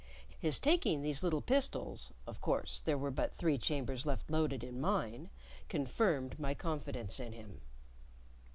His taking these little pistols (of course, there were but three chambers left loaded in mine) confirmed my confidence in him.